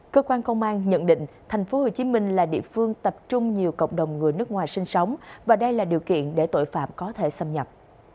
cơ quan công an nhận định thành phố hồ chí minh là địa phương tập trung nhiều cộng đồng người nước ngoài sinh sống và đây là điều kiện để tội phạm có thể xâm nhập